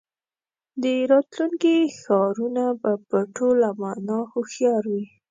د راتلونکي ښارونه به په ټوله مانا هوښیار وي.